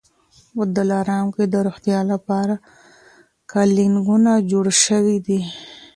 په دلارام کي د روغتیا لپاره کلینیکونه جوړ سوي دي